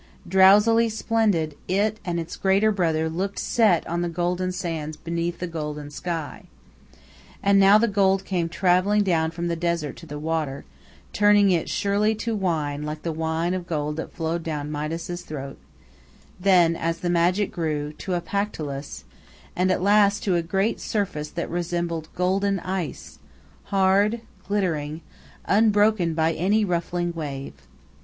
Drowsily splendid it and its greater brother looked set on the golden sands beneath the golden sky. And now the gold came traveling down from the desert to the water, turning it surely to a wine like the wine of gold that flowed down Midas's throat; then, as the magic grew, to a Pactolus, and at last to a great surface that resembled golden ice, hard, glittering, unbroken by any ruffling wave.